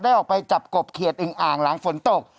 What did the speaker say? ออกไปจับกบเขียดอึงอ่างหลังฝนตก